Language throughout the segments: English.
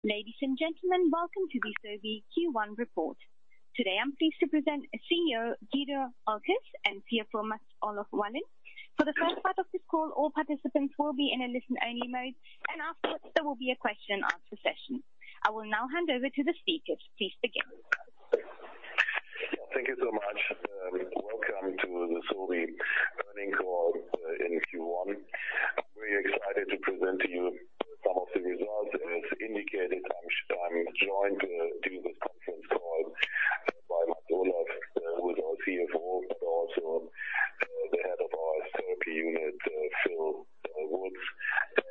Ladies and gentlemen, welcome to the Sobi Q1 report. Today, I'm pleased to present CEO, Guido Oelkers, and CFO, Mats-Olof Wallin. For the first part of this call, all participants will be in a listen-only mode. Afterwards there will be a question and answer session. I will now hand over to the speakers. Please begin. Thank you so much. Welcome to the Sobi earnings call in Q1. I'm very excited to present to you some of the results. As indicated, I'm joined to do this conference call by Mats-Olof, who is our CFO, but also the head of our Turkey unit, Phil Wood,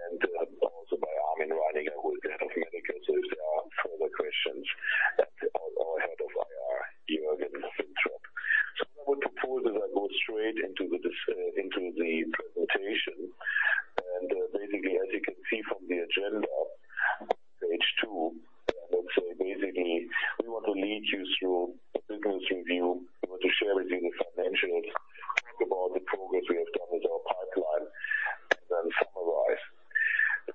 and also by Armin Reininger, who is the Head of Medical. If there are further questions, our Head of IR, Jürgen Windolph. What I would propose is I go straight into the presentation. Basically, as you can see from the agenda, page two, basically, we want to lead you through a business review. We want to share with you the financials, talk about the progress we have done with our pipeline, and then summarize.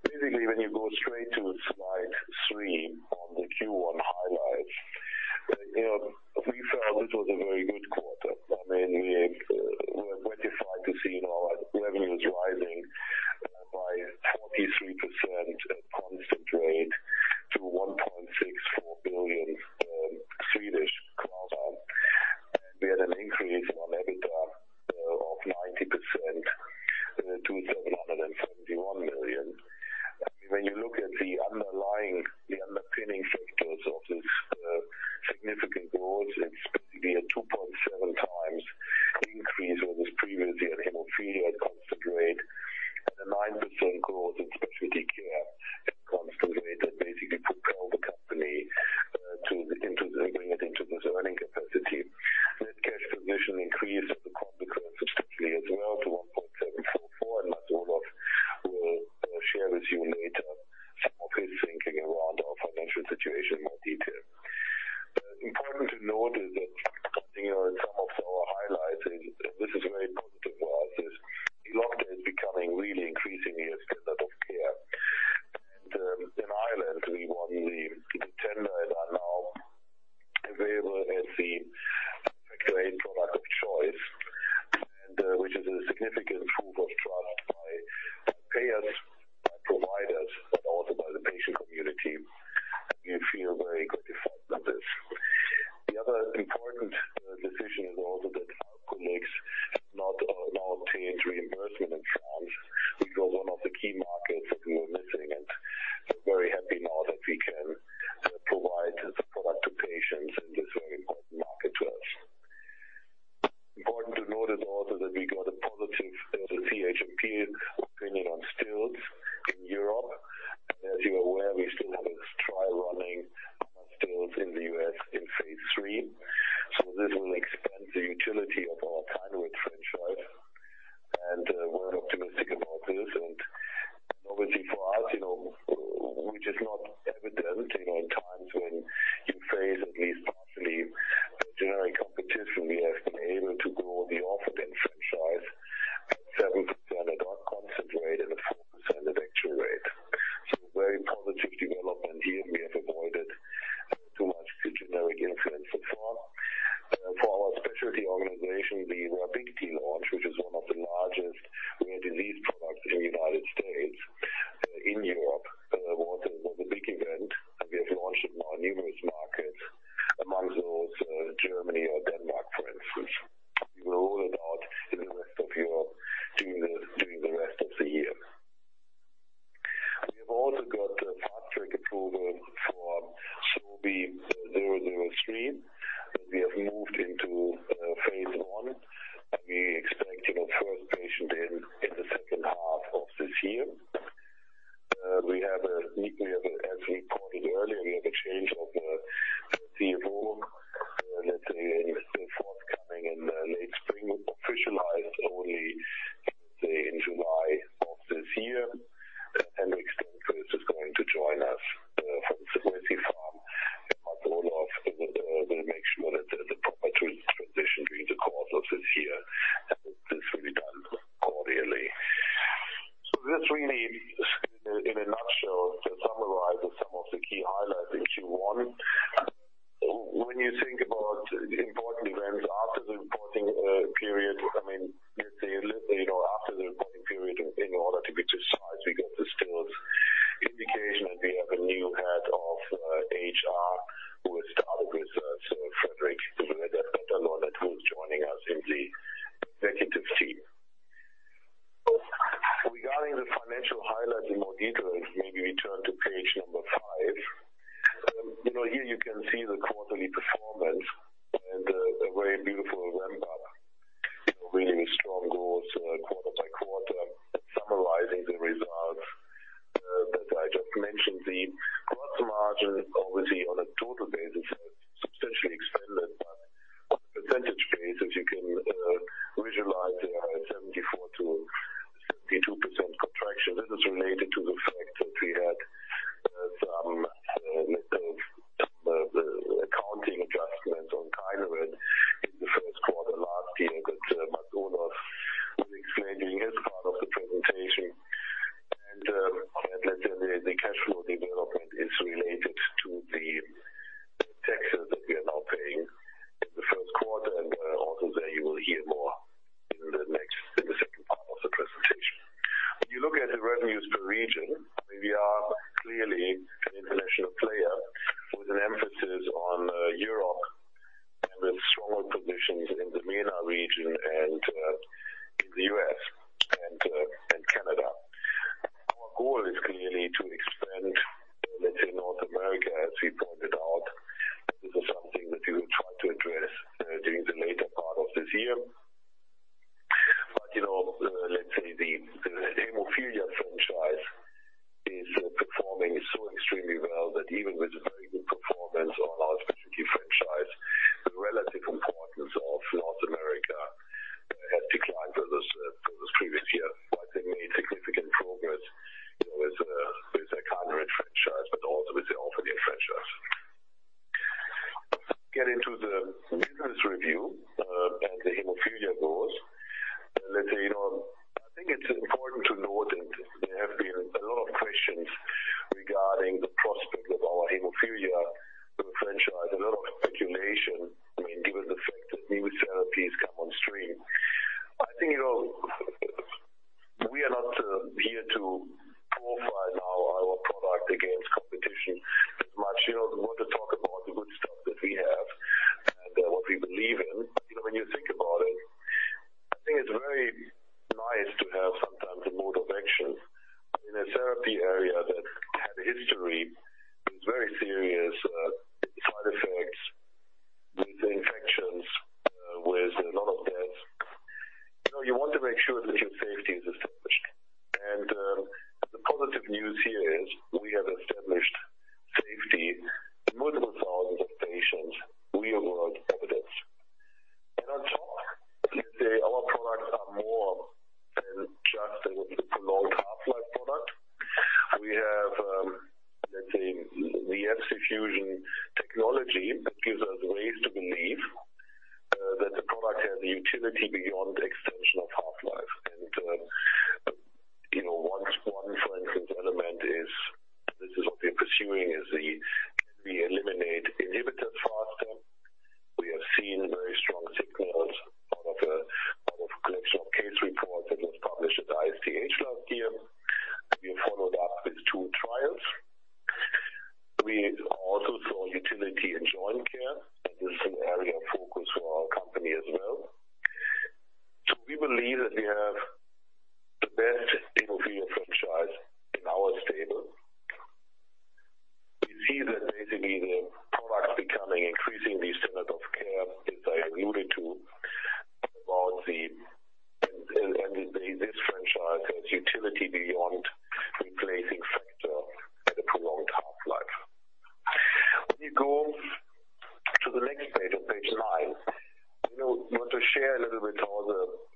Basically, when you go straight to slide three on the Q1 highlights. We felt this was a very good quarter. We're gratified to see our revenues rising by 43% constant rate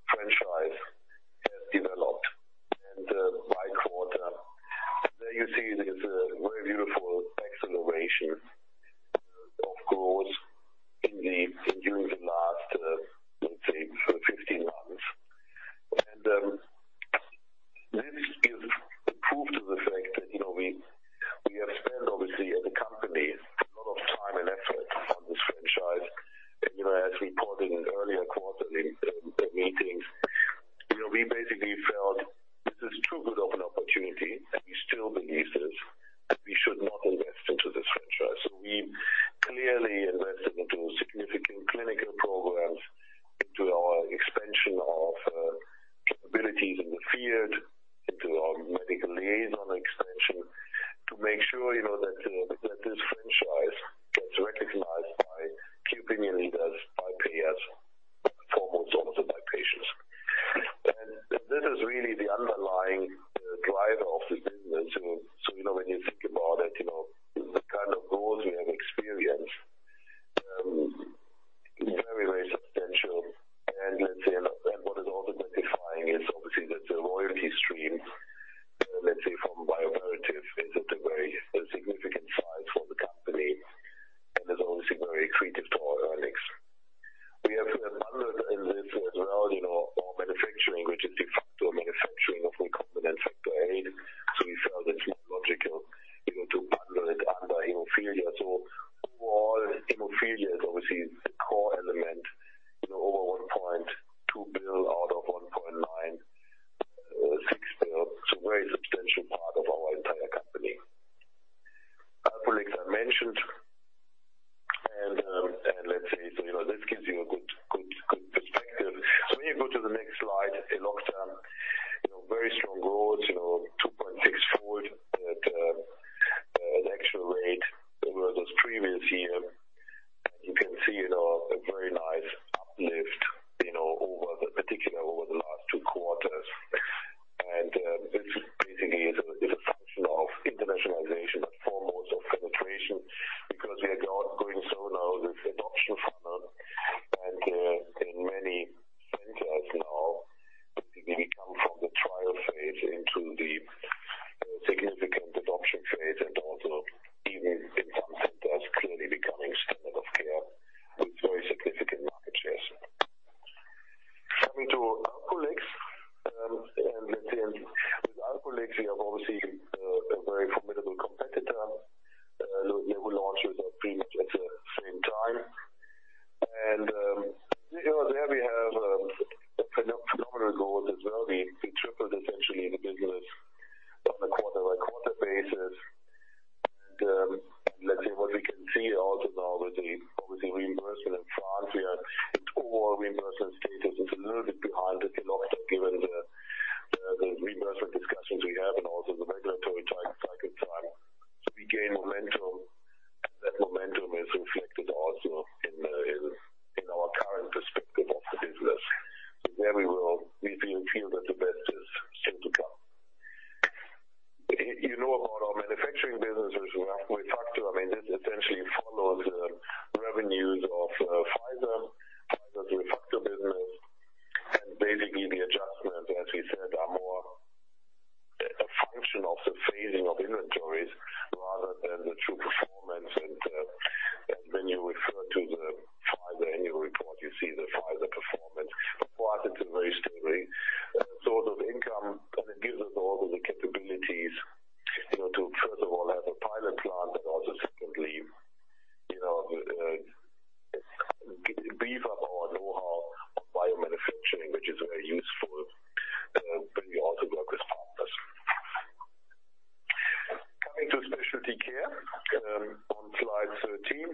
franchise has developed and by quarter. There you see this very beautiful acceleration of growth during the last, let's say, 15 months. This is proof to the fact that we have spent, obviously, as a company, a lot of time and effort on this franchise. As we reported in earlier quarterly meetings, we basically felt this is too good of an opportunity, and we still believe this, that we should not invest into this franchise. We clearly invested into significant clinical programs, into our expansion of capabilities in the a function of the phasing of inventories rather than the true performance. When you refer to the Pfizer annual report, you see the Pfizer performance, but it's a very steady source of income, and it gives us also the capabilities to first of all have a pilot plant but also secondly beef up our know-how on biomanufacturing, which is very useful when we also work with partners. Coming to specialty care, on slide 13,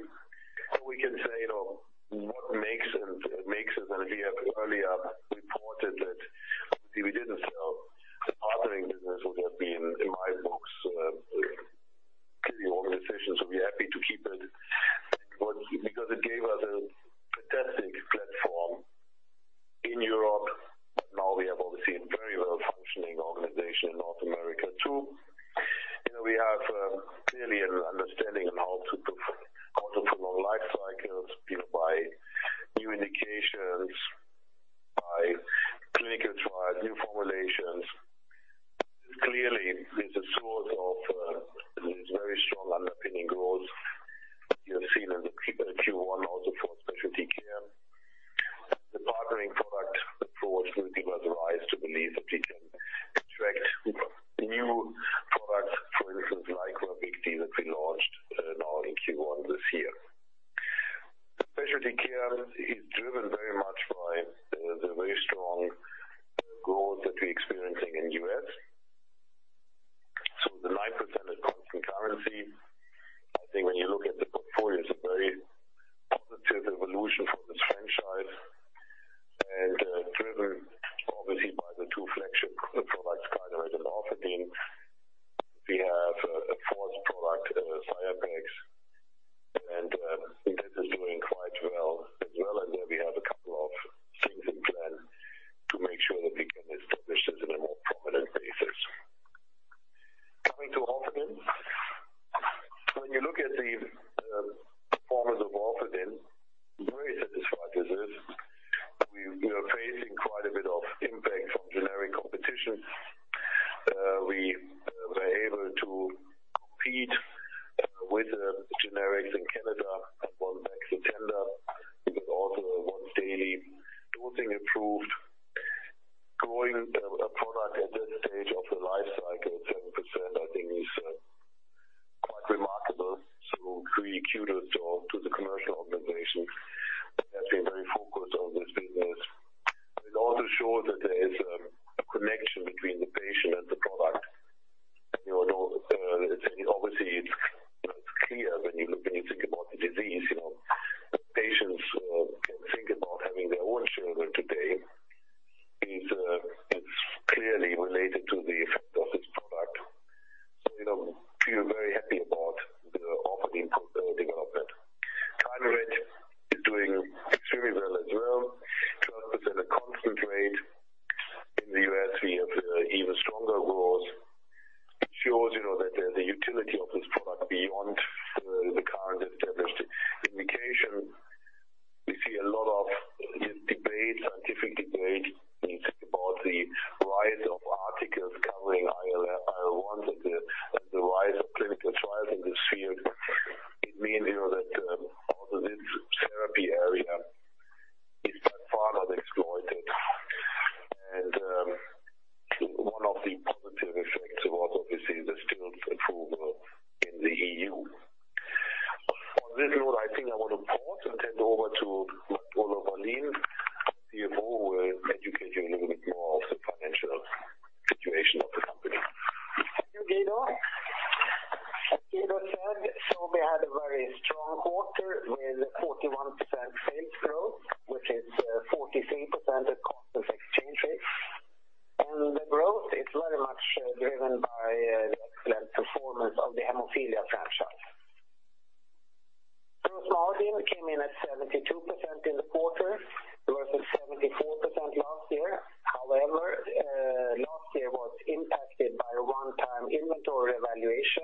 what we can say or what makes it, and we have earlier reported that if we didn't sell the partnering business, we would have been, in my books, clearly all decisions would be happy to keep it, because it gave us a fantastic platform in Europe, but now we have obviously a very well-functioning organization in North America, too. We have clearly an understanding on how to prolong life cycles, be it by new indications, by clinical trials, new formulations. Clearly, it's a source of this very strong underpinning growth that you have seen in the Q1 also for specialty care. The partnering product approach really gives rise to believe that we can attract new products, for instance, like Ravicti that we launched now in Q1 this year. Specialty care is driven very much by the very strong growth that we're experiencing in U.S. The 9% at constant currency, I think when you look at the portfolio, it's a very positive evolution for this franchise and driven obviously by the two flagship products, Kineret and Orfadin. We have a fourth product, Xiapex, and this is doing quite well as well, and there we have a couple current established indication. We see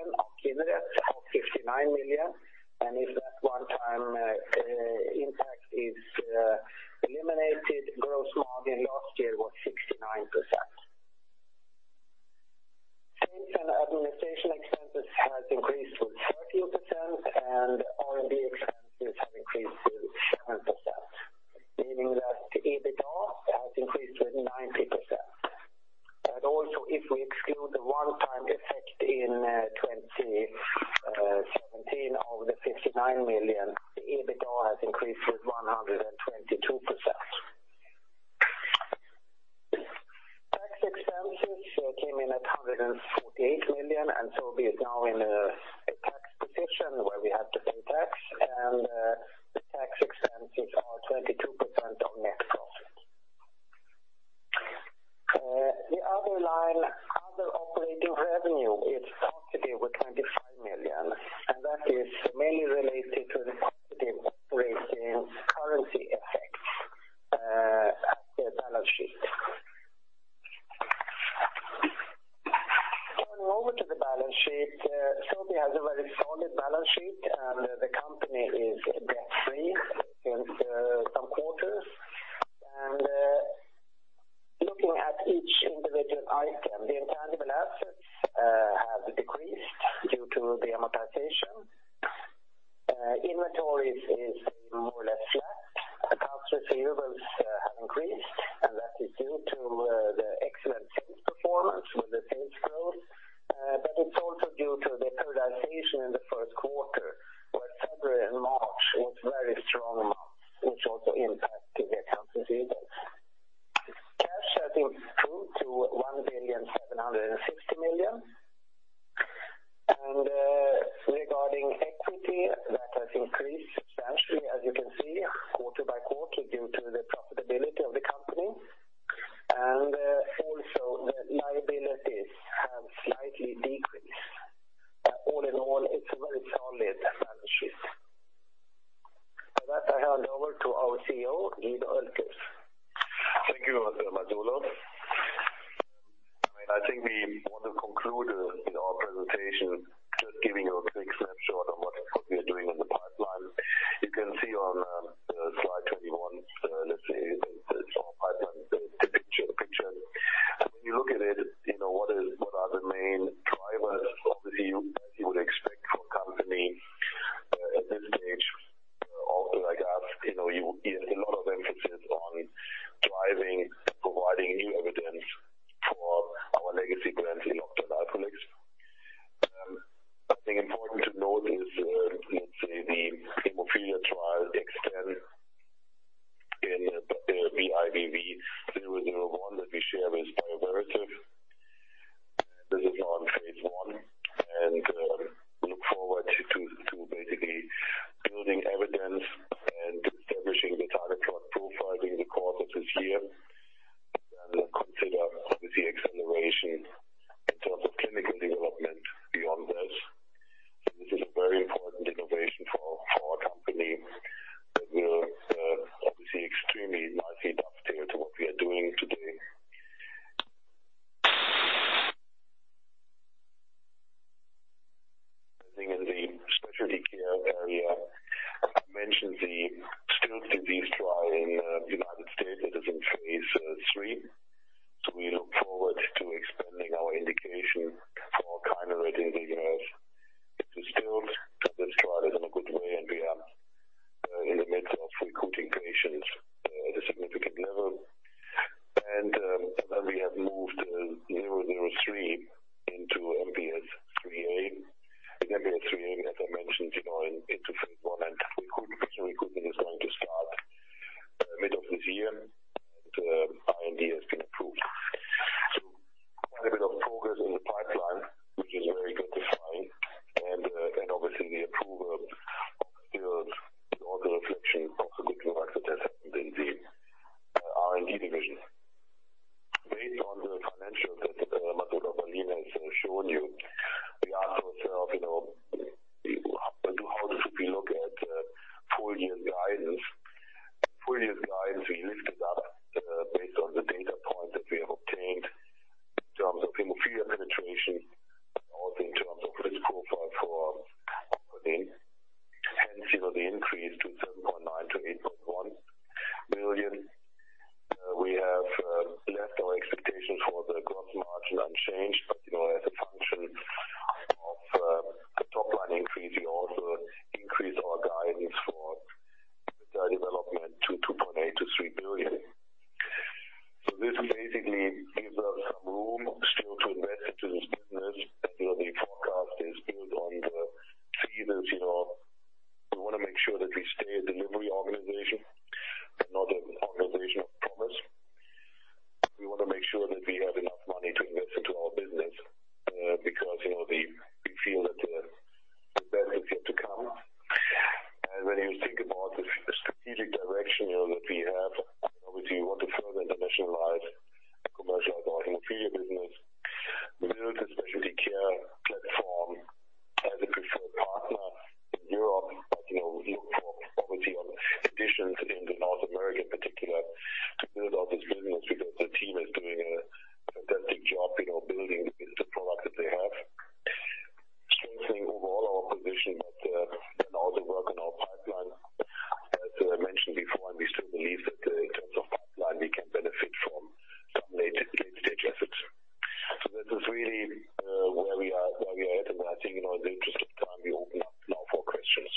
where we are headed. I think in the interest of time, we open up now for questions.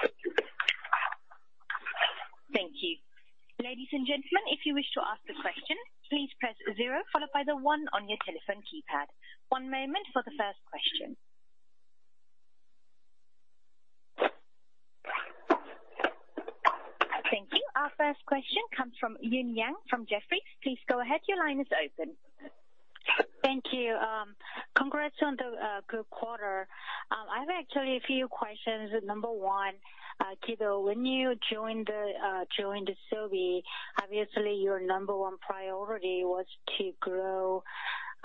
Thank you. Thank you. Ladies and gentlemen, if you wish to ask a question, please press zero followed by the one on your telephone keypad. One moment for the first question. Thank you. Our first question comes from Yoon Yang from Jefferies. Please go ahead. Your line is open. Thank you. Congrats on the good quarter. I have actually a few questions. Number 1, Guido, when you joined Sobi, obviously, your number 1 priority was to grow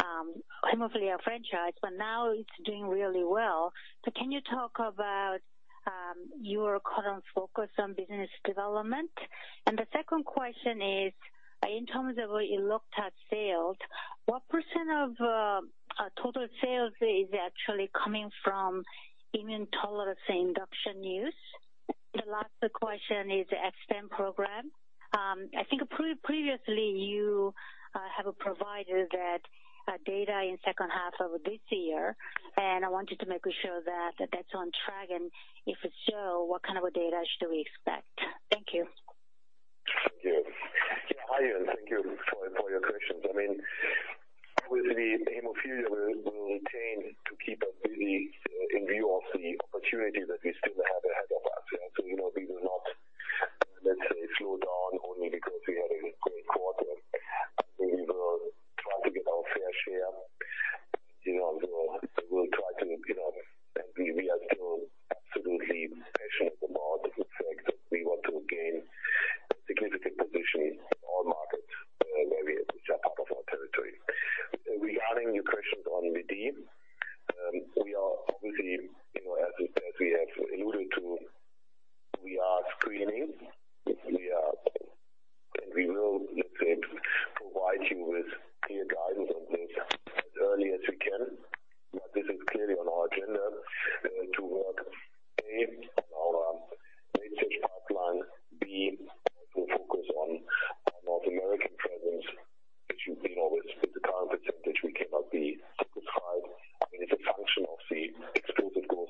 Haemophilia franchise, but now it is doing really well. Can you talk about your current focus on business development? The second question is, in terms of what you looked at sales, what % of total sales is actually coming from immune tolerance induction use? The last question is the XTEND-1 program. I think previously you have provided that data in 2nd half of this year, and I wanted to make sure that is on track, and if it is so, what kind of data should we expect? Thank you. Thank you. Hi, Yoon. Thank you for your questions. Obviously, Haemophilia will tend to keep us busy in view of the opportunity that we still have ahead of us. We will not, let us say, slow down only because we had a great quarter. I think we will try to get our fair share. We are still absolutely passionate about the fact that we want to gain significant position in all markets where we are part of our territory. Regarding your questions on M&A, we are obviously, as we have alluded to, we are screening. We will, let us say, provide you with clear guidance on this as early as we can. This is clearly on our agenda to work, A, on our late-stage pipeline, B, to focus on our North American presence, which you know with the current acceptance we cannot be satisfied. It's a function of the explosive growth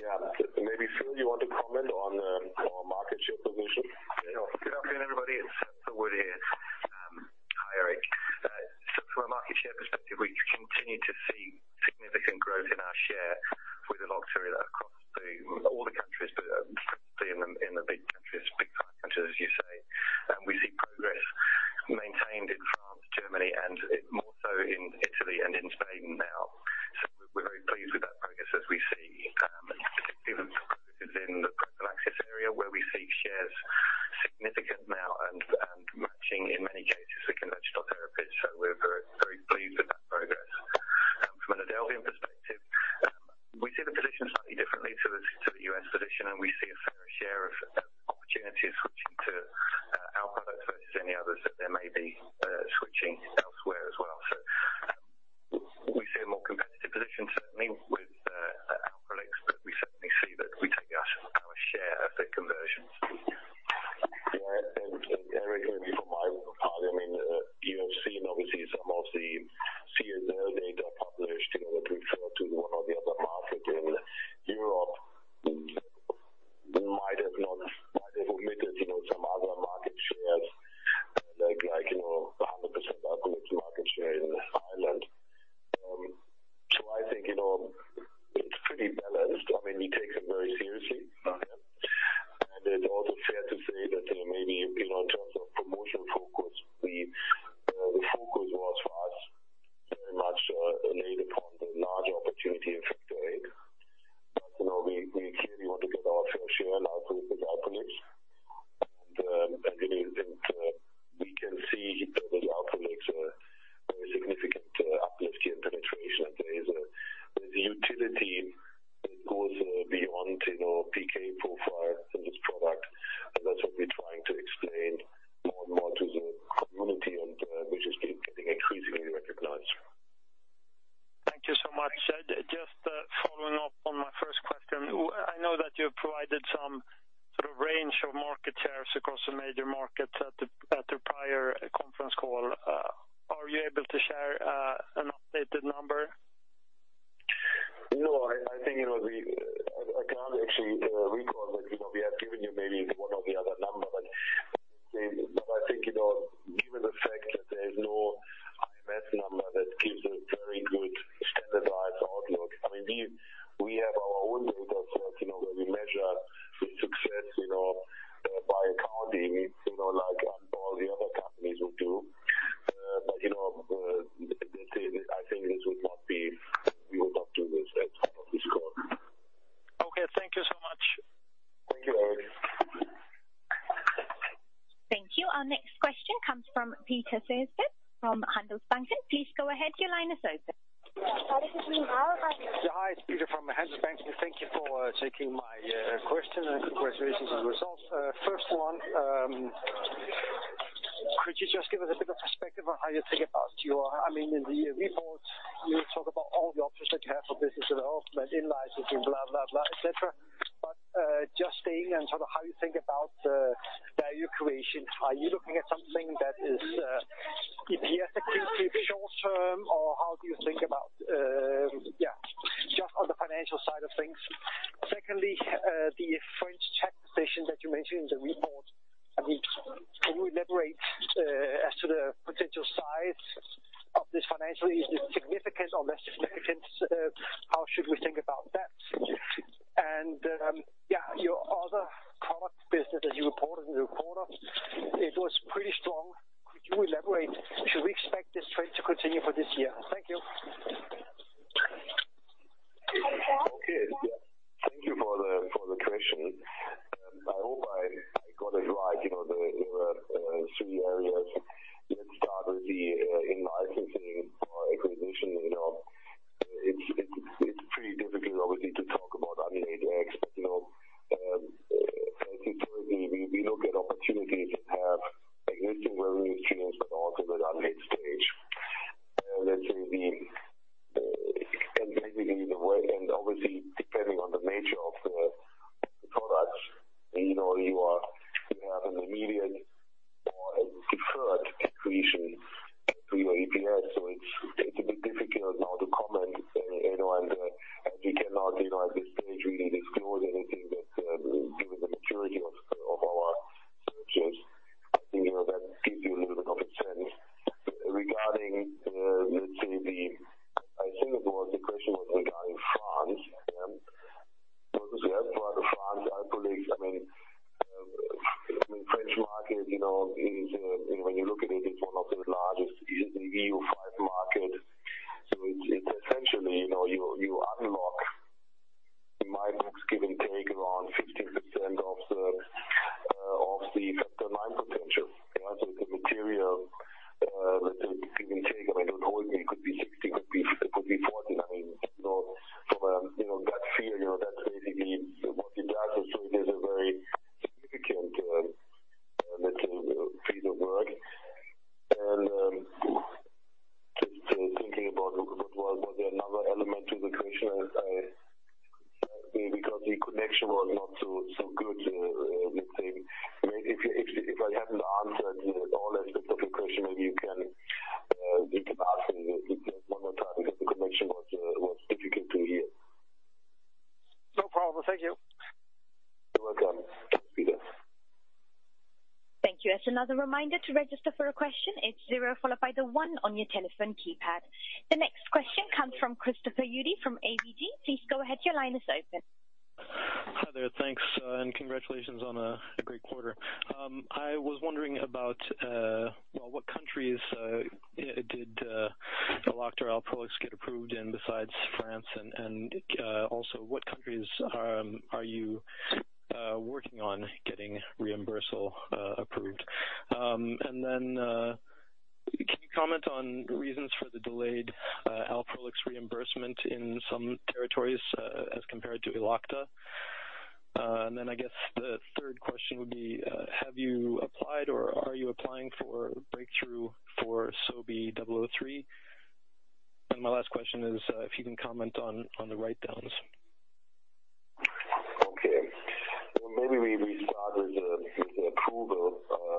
Yeah. Maybe Phil, you want to comment on our market share position? Good afternoon, everybody. It's Phil Wood here. Hi, Erik. From a market share perspective, we continue to see significant growth in our share with Elocta across all the countries In the big countries, big five countries, as you say. We see progress maintained in France, Germany, and more so in Italy and in Spain now. We're very pleased with that progress as we see, particularly the progresses in the prophylaxis area where we see shares significant now and matching in many cases the conventional therapies. We're very pleased with that progress. From an Alprolix perspective, we see the position slightly differently to the U.S. position, and we see a fair share of opportunities switching to our products versus any others that there may be switching elsewhere as well. We see a more competitive position certainly with Alprolix, we certainly see that we take our share of the working on getting reimbursement approved? Can you comment on reasons for the delayed Alprolix reimbursement in some territories as compared to Elocta? I guess the third question would be have you applied or are you applying for breakthrough for SOBI003? My last question is if you can comment on the write-downs. Well, maybe we start with the approval. Basically, we have 16 countries approved, let's say for Alprolix and 24 for Elocta. It's probably not part of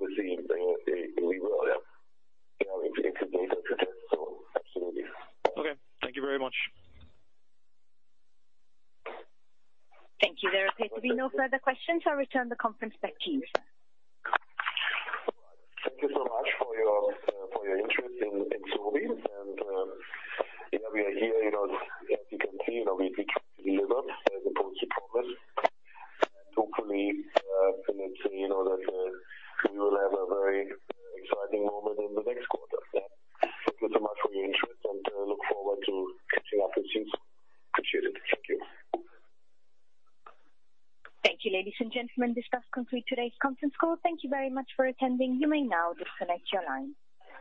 and obviously we will. It's a data set. Absolutely. Okay. Thank you very much. Thank you. There appear to be no further questions. I'll return the conference back to you, sir. Thank you so much for your interest in Sobi. We are here, as you can see, we continue to deliver as opposed to promise. Hopefully that we will have a very exciting moment in the next quarter. Thank you so much for your interest and look forward to catching up with you soon. Appreciate it. Thank you. Thank you, ladies and gentlemen. This does conclude today's conference call. Thank you very much for attending. You may now disconnect your line.